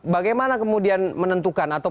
bagaimana kemudian menentukan atau